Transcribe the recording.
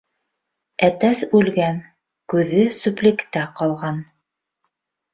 Әтәс үлгән, күҙе сүплектә ҡалған.